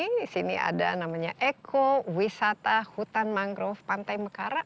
di sini ada namanya eko wisata hutan mangrove pantai mekarak